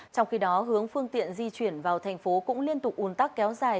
trong khi đó hướng phương tiện di chuyển vào thành phố cũng liên tục un tắc kéo dài